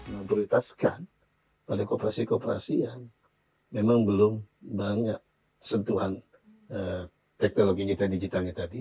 memperluitaskan pada koperasi koperasi yang memang belum banyak sentuhan teknologi digitalnya tadi